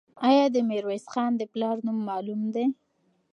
آیا د میرویس خان د پلار نوم معلوم دی؟